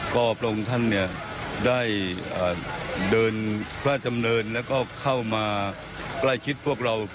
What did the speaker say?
ก็ประวงท่านเนี่ยได้เดินพระจำเนินแล้วก็เข้ามากล้ายคิดพวกเรา